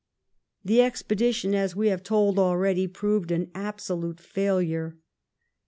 The expedition, as we have told already, proved an absolute failure.